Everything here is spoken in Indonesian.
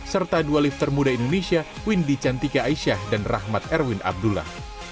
serta dua lifter muda indonesia windy cantika aisyah dan rahmat erwin abdullah